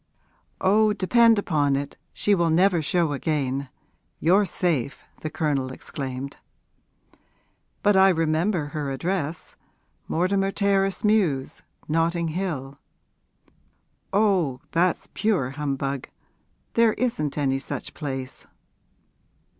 'Oh, depend upon it she will never show again. You're safe!' the Colonel exclaimed. 'But I remember her address Mortimer Terrace Mews, Notting Hill.' 'Oh, that's pure humbug; there isn't any such place.'